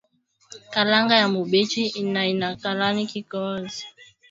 Kalanga ya mubichi inaikalaka kikoozi